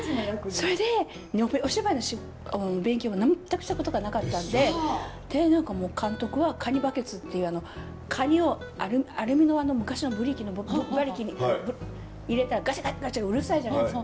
それでお芝居の勉強も全くしたことがなかったのでで何か監督はカニバケツっていうカニをアルミの昔のブリキのバケツに入れたらガチャガチャガチャガチャうるさいじゃないですか。